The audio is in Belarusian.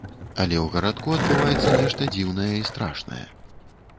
Але ў гарадку адбываецца нешта дзіўнае й страшнае.